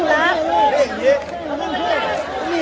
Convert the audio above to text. สวัสดีครับทุกคน